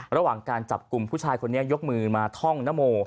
ระหว่างการจับกลุ่มผู้ชายคนนี้ยกมือมาท่องนโม